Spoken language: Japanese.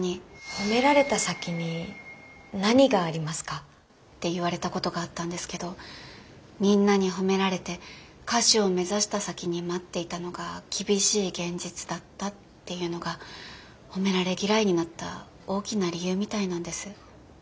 褒められた先に何がありますか？って言われたことがあったんですけどみんなに褒められて歌手を目指した先に待っていたのが厳しい現実だったっていうのが褒められ嫌いになった大きな理由みたいなんです。